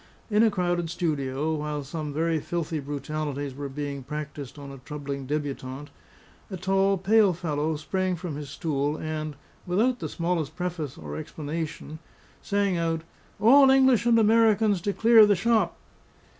In a crowded studio, while some very filthy brutalities were being practised on a trembling debutant, a tall, pale fellow sprang from his stool and (without the smallest preface or explanation) sang out, "All English and Americans to clear the shop!"